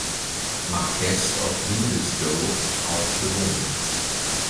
Marquess of Linlithgow, auch bewohnt.